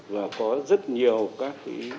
và có rất nhiều các